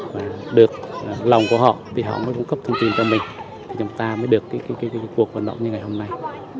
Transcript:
và được lòng của họ vì họ mới cung cấp thông tin cho mình chúng ta mới được cuộc vận động như ngày hôm nay